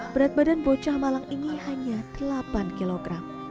berat badan bocah malang ini hanya delapan kg